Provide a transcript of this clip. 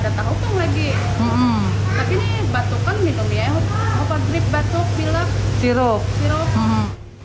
tidak ada tahu lagi tapi ini batuk kan minum ya obat drip batuk pilek sirup